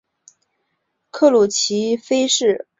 克鲁奇菲氏花粉发现在德国萨克森。